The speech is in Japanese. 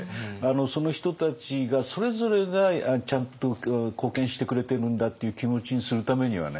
その人たちがそれぞれがちゃんと貢献してくれてるんだっていう気持ちにするためにはね